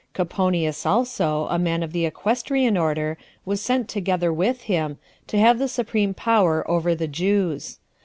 Coponius also, a man of the equestrian order, was sent together with him, to have the supreme power over the Jews.